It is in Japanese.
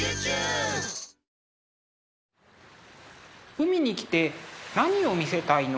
海に来て何を見せたいの？